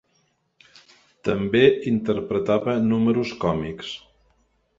També interpretava números còmics.